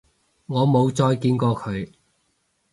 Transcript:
我冇再見過佢